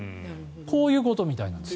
こういうことみたいなんです。